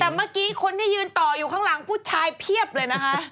แต่เมื่อกี้คนที่ยืนต่ออยู่ข้างหลังผู้ชายเพียบเลยนะคะ